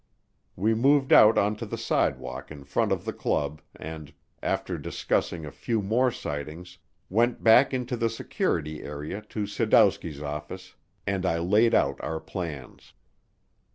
We moved out onto the sidewalk in front of the club and, after discussing a few more sightings, went back into the security area to Sadowski's office and I laid out our plans.